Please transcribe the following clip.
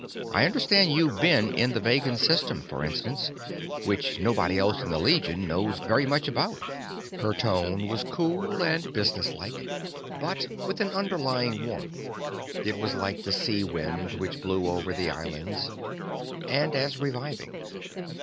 I understand you've been in the Vegan System, for instance, which nobody else in the Legion knows very much about." Her tone was cool and business like, but with an underlying warmth. It was like the sea wind which blew over the islands, and as reviving.